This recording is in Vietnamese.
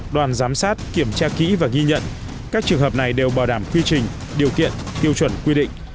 đoàn giám sát kiểm tra kỹ và ghi nhận các trường hợp này đều bảo đảm quy trình điều kiện tiêu chuẩn quy định